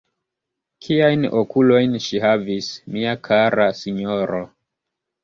Kiajn okulojn ŝi havis, mia kara sinjoro!